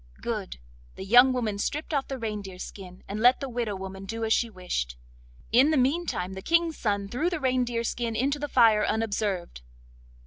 Good; the young woman stript off the reindeer skin, and let the widow woman do as she wished. In the meantime the King's son threw the reindeer skin into the fire unobserved.